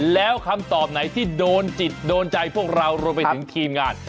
แล้วคำตอบไหนที่โดนจิตโดนใจพวกเรารวมไปถึงทีมงาน